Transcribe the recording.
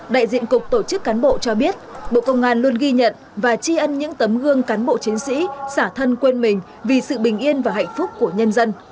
đại diện cục tổ chức cán bộ cho biết bộ công an luôn ghi nhận và tri ân những tấm gương cán bộ chiến sĩ xả thân quên mình vì sự bình yên và hạnh phúc của nhân dân